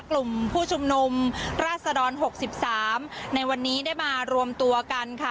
กลุ่มผู้ชุมนุมราชดร๖๓ในวันนี้ได้มารวมตัวกันค่ะ